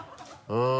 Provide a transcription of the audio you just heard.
うん。